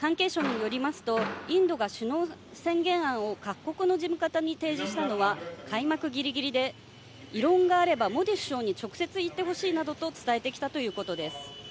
関係者によりますと、インドが首脳宣言案を各国の事務方に提示したのは開幕ギリギリで異論があればモディ首相に直接言ってほしいなどと伝えてきたということです。